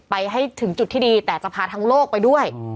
ไปให้ถึงจุดที่ดีแต่จะพาทั้งโลกไปด้วย